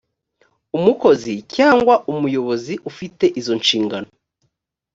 umukozi cyangwa umuyobozi ufite izo nshingano